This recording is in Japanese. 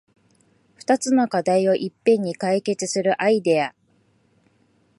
ふたつの課題をいっぺんに解決するアイデア